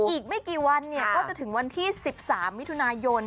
อีกไม่กี่วันก็จะถึงวันที่๑๓มิถุนายน